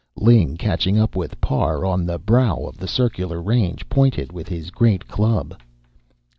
Ling, catching up with Parr on the brow of the circular range, pointed with his great club.